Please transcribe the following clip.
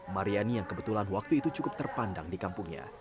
mariani yang kebetulan waktu itu cukup terpandang di kampungnya